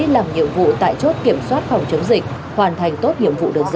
làm nhiệm vụ tại chốt kiểm soát phòng chống dịch hoàn thành tốt nhiệm vụ được giao